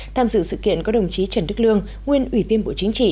tham dự sự kiện có đồng chí trần đức lương nguyên ủy viên bộ chính trị